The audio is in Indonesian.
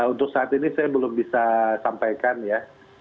untuk saat ini saya belum bisa sampaikan ya